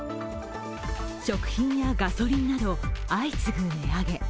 食品やガソリンなど、相次ぐ値上げ。